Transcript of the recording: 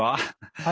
はい。